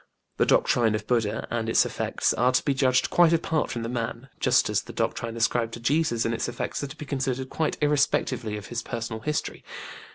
The doctrine of BudĖĢdĖĢha and its effects are to be judged quite apart from the man, just as the doctrine ascribed to Jesus and its effects are to be considered quite irrespectively of his personal history.